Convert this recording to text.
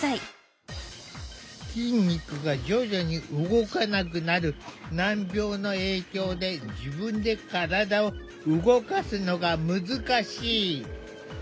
筋肉が徐々に動かなくなる難病の影響で自分で体を動かすのが難しい。